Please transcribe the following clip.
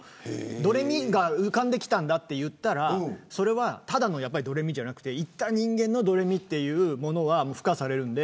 ドレミが浮かんできたんだと言ったらそれは、ただのドレミじゃなくて言った人間のドレミというものが付加されるんで。